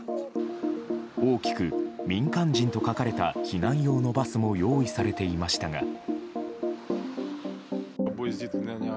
大きく民間人と書かれた避難用のバスも用意されていましたが。